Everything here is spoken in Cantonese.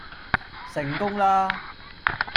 成功啦